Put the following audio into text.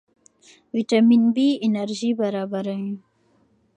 ویټامین بي انرژي برابروي.